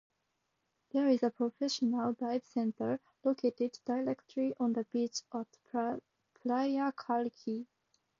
There is a professional dive center located directly on the beach at Playa Kalki.